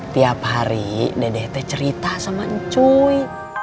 tiap hari dedek teh cerita sama encuy